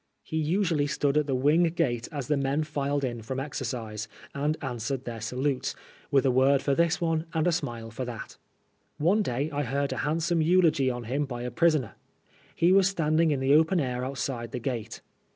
He usually stood at the wing gate as the men filed in from exercise, and answered their salutes, with a word for this one and a smile for that. One day I heard a handsome eulogy on him by a prisoner. He was standing in the open air outside the gate.